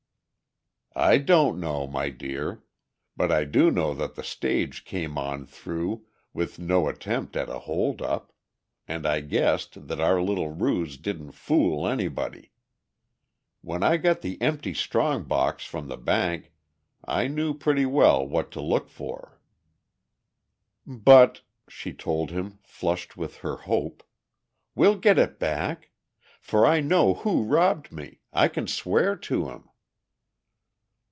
"I don't know, my dear. But I do know that the stage came on through, with no attempt at a hold up, and I guessed that our little ruse didn't fool anybody. When I got the empty strong box from the bank I knew pretty well what to look for." "But," she told him, flushed with her hope, "we'll get it back! For I know who robbed me, I can swear to him!"